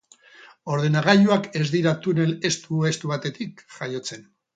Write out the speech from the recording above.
Ordenagailuak ez dira tunel estu-estu batetik jaiotzen.